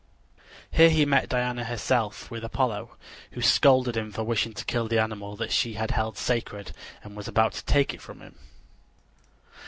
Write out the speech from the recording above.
Here he met Diana herself with Apollo, who scolded him for wishing to kill the animal that she had held sacred, and was about to take it from him.